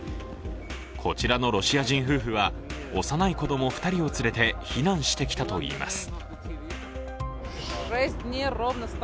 こちらのロシア人夫婦は幼い子供２人を連れて避難してきたといいます。